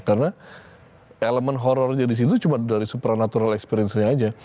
karena elemen horornya di sini itu cuma dari supernatural experience nya aja